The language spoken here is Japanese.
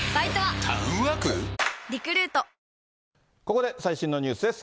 ここで最新のニュースです。